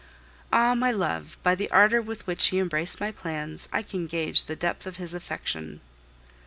Ah! my love, by the ardor with which he embraced my plans, I can gauge the depth of his affection.